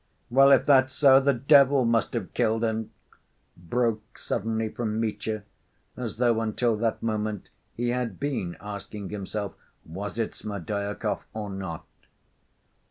"Well, if that's so, the devil must have killed him," broke suddenly from Mitya, as though until that moment he had been asking himself: "Was it Smerdyakov or not?"